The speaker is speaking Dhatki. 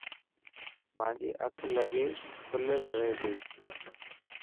مانجي اک لکيل رهي گئي.